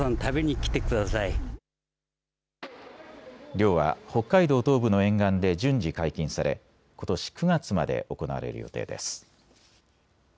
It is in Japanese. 漁は北海道東部の沿岸で順次解禁されことし９月まで行われる予定です。